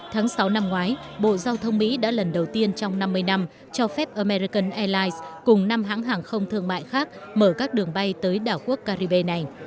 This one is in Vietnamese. tháng sáu năm ngoái bộ giao thông mỹ đã lần đầu tiên trong năm mươi năm cho phép american airlines cùng năm hãng hàng không thương mại khác mở các đường bay tới đảo quốc caribe này